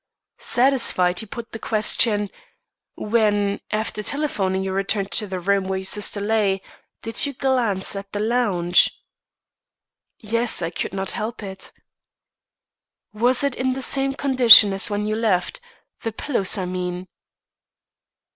Satisfied, he put the question: "When, after telephoning, you returned to the room where your sister lay, you glanced at the lounge?" "Yes, I could not help it." "Was it in the same condition as when you left the pillows, I mean?"